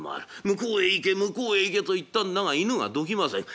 「向こうへ行け向こうへ行け」と言ったんだが犬がどきません。